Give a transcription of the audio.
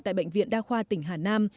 tại bệnh viện đa khoa tỉnh hà nam